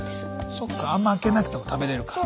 そうかあんま開けなくても食べれるから。